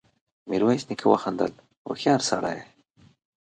ميرويس نيکه وخندل: هوښيار سړی يې!